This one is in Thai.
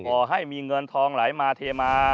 ขอให้มีเงินทองไหลมาเทมา